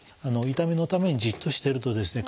痛みのためにじっとしてるとですね